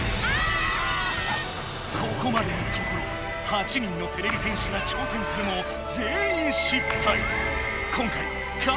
ここまでのところ８人のてれび戦士が挑戦するも全員失敗。